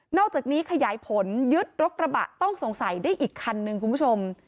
อกจากนี้ขยายผลยึดรถกระบะต้องสงสัยได้อีกคันนึงคุณผู้ชม